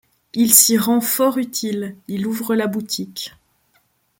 Il s'y rend fort utile ; il ouvre la boutique ;